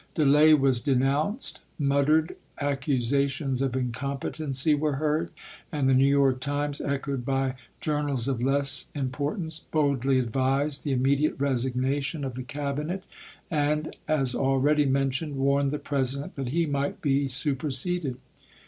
Delay was denounced, muttered accusations of incompetency were heard, and the " New York Times," echoed by journals of less importance, boldly advised the im mediate resignation of the Cabinet and, as already mentioned, warned the President that he might be superseded.